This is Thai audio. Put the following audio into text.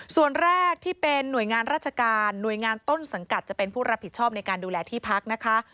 ส่วนแรกที่เป็นหน่วยงานราชการหน่วยงานต้นสังกัดจะเป็นผู้รับผิดชอบในการดูแลที่พักนะคะ